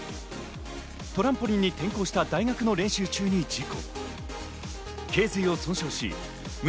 トランポリンに転向した大学の練習中に事故。